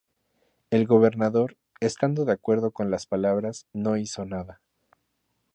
El gobernador, estando de acuerdo con las palabras, no hizo nada.